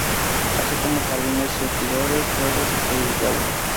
Así como jardines, surtidores, juegos y caídas de agua.